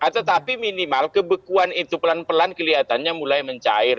tetapi minimal kebekuan itu pelan pelan kelihatannya mulai mencair